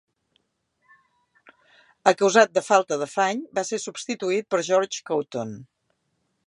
Acusat de "falta d'afany", va ser substituït per Georges Couthon.